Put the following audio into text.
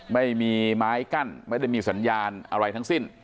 ไม่มีไม้กั้นไม่ได้มีสัญญาณอะไรทั้งสิ้น